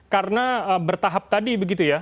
karena bertahap tadi begitu ya